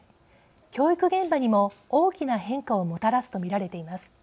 教育現場にも大きな変化をもたらすと見られています。